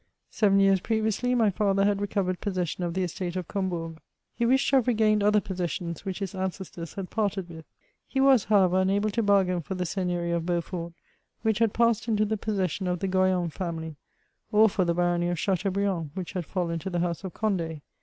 Seven years previously my father had recovered possession of the estate of Combourg. He wished to have CHATEAUBRIAND. 55 regained other possessions which his ancestors had parted with. He was, however, unahle to bargain for the seigneurie of Beaufort, which had passed into the possession of the Grojon family, or for the Barony of Chateaubriand, which had fallen to the house of Cond^.